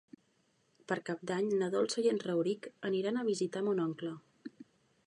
Per Cap d'Any na Dolça i en Rauric aniran a visitar mon oncle.